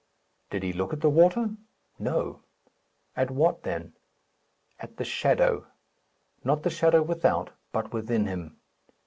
Did he look at the water? No. At what then? At the shadow; not the shadow without, but within him.